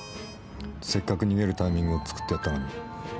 せっかく逃げるタイミングを作ってやったのに。